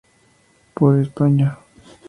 Por España".